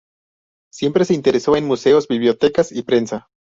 Siempre se interesó en museos, bibliotecas y prensa.